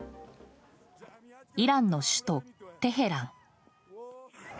イランの首都テヘラン。